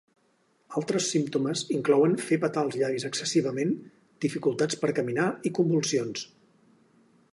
Altres símptomes inclouen fer petar els llavis excessivament, dificultats per caminar i convulsions.